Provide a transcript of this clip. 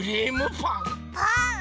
パン？